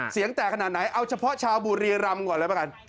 เสียงแตกขนาดไหนเอาเฉพาะชาวบุรีรำก่อนเลยประกัน